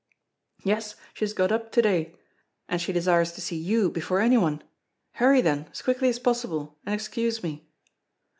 "Yes, she has got up to day; and she desires to see you before anyone. Hurry then as quickly as possible, and excuse me."